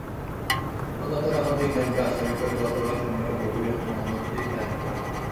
অজ্ঞাতনামা তিনজনকে আসামি করে গতকাল শনিবার গভীর রাতে মামলাটি দায়ের করা হয়।